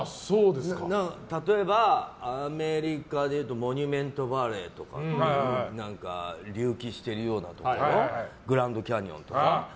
例えば、アメリカでいうとモニュメントバレーとか隆起しているようなところグランドキャニオンとか。